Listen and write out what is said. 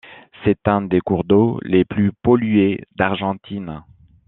C'est un des cours d'eau les plus pollués d'Argentine.